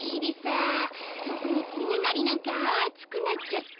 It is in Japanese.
とくにつねなりなんかあつくなっちゃって。